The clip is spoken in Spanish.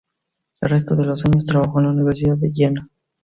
El resto de los años trabajó en la Universidad de Jena.